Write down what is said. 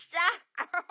アハハ」